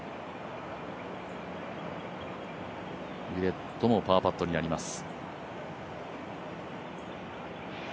ウィレットもパーパットになります。